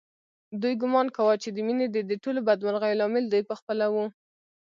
دوی ګومان کاوه چې د مينې ددې ټولو بدمرغیو لامل دوی په خپله و